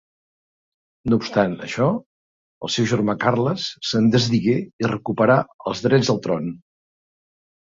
No obstant això, el seu germà Carles se'n desdigué i recuperà els drets al tron.